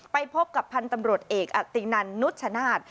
ไปพบกับพันธุ์ตำรวจเอกอตินันนุชชนาธิ์